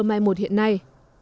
mai một hiện nay